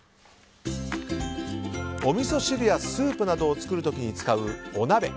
おみそ汁やスープなどを作る時に使うお鍋。